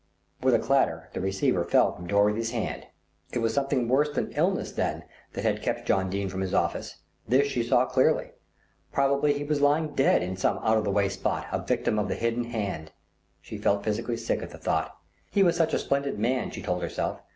With a clatter the receiver fell from Dorothy's hand. It was something worse than illness then that had kept John Dene from his office! This she saw clearly. Probably he was lying dead in some out of the way spot, a victim of the hidden hand. She felt physically sick at the thought. He was such a splendid man, she told herself.